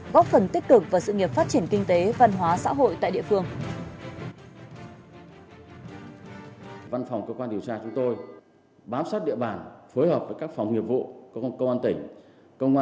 góp phần tích cực vào sự nghiệp phát triển kinh tế văn hóa xã hội tại địa phương